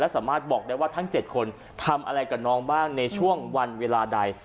สามารถบอกได้ว่าทั้ง๗คนทำอะไรกับน้องบ้างในช่วงวันเวลาใด